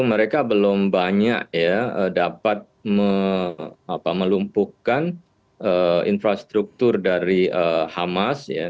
mereka belum banyak ya dapat melumpuhkan infrastruktur dari hamas ya